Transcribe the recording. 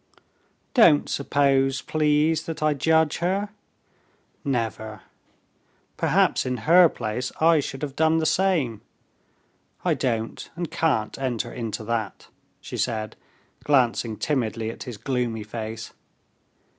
"Don't suppose, please, that I judge her. Never; perhaps in her place I should have done the same. I don't and can't enter into that," she said, glancing timidly at his gloomy face.